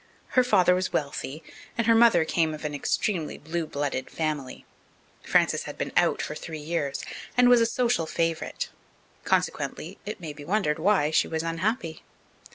Her father was wealthy and her mother came of an extremely blue blooded family. Frances had been out for three years, and was a social favourite. Consequently, it may be wondered why she was unhappy.